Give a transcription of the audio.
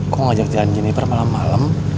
kok ngajak jalan jeniper malam malam